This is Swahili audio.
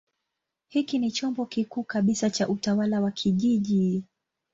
Hiki ni chombo kikuu kabisa cha utawala wa kijiji.